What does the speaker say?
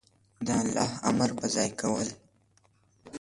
د الله امر په ځای کول